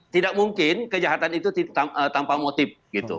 tidak mungkin kejahatan itu tanpa motif